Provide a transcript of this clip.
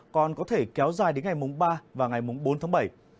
còn có thể kéo dài đến ngày mùng ba và ngày bốn tháng bảy